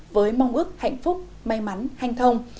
với mong ước hạnh phúc may mắn hành thông